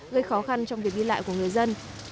gây khó khăn trong việc đi lại của người dân